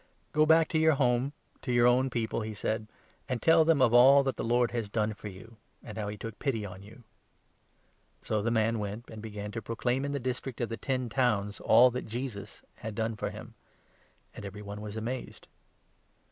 19 "Go back to your home, to your own people," he said, " and tell them of all that the Lord has done for you, and how he took pity on you. " So the man went, and began to proclaim in the district of 20 the Ten Towns all that Jesus had done for him ; and every one was amazed.